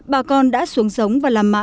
bà con đã xuống sống và làm mạ